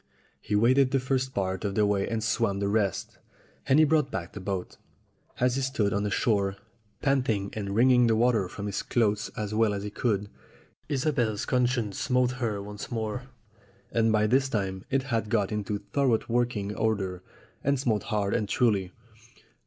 He waded the first part of the way and swam the rest, and he brought back the boat. As he stood on the shore, panting and wringing the water from his clothes as well as he could, Isobel's conscience smote her once more, and by this time it had got into thor ough working order and smote hard and truly.